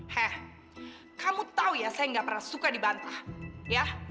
heh kamu tau ya saya gak pernah suka dibantah ya